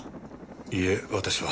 いいえ私は。